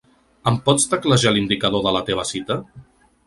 Em pots teclejar l'indicador de la teva cita?